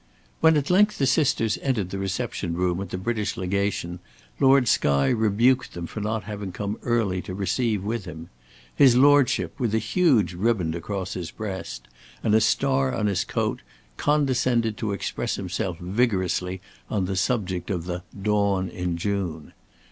When at length the sisters entered the reception room at the British Legation, Lord Skye rebuked them for not having come early to receive with him. His Lordship, with a huge riband across his breast, and a star on his coat, condescended to express himself vigorously on the subject of the "Dawn in June."